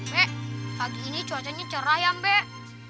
bek pagi ini cuacanya cerah ya mbek